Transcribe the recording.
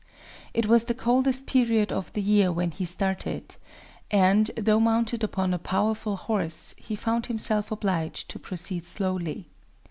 It was the coldest period of the year when he started; and, though mounted upon a powerful horse, he found himself obliged to proceed slowly.